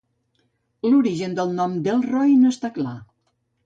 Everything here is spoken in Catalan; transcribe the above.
L'origen del nom "Dellroy" no està clar.